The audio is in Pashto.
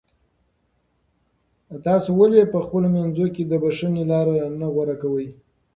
تاسو ولې په خپلو منځونو کې د بښنې لاره نه غوره کوئ؟